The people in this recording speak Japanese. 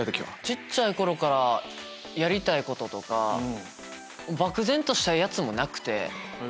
小っちゃい頃からやりたいこととか漠然としたいやつもなくて。